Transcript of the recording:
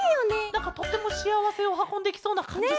なんかとてもしあわせをはこんできそうなかんじするケロよね。